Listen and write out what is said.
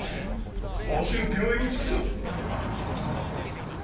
もうすぐ病院に着くぞ！